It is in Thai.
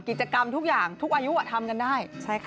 กิจกรรมทุกอย่างทุกอายุทำกันได้